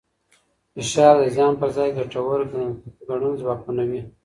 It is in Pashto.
فشار د زیان پر ځای ګټور ګڼل ځواکمنوي.